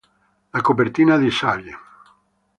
La copertina di "Sgt.